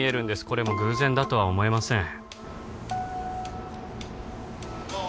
これも偶然だとは思えません